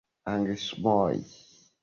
Anglismoj?